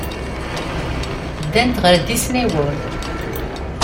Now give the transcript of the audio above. Ddant ɣer Disney World.